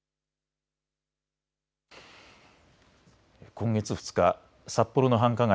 今月２日、札幌の繁華街